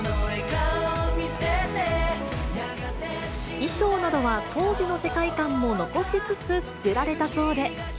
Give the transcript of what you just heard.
衣装などは当時の世界観も残しつつ作られたそうで。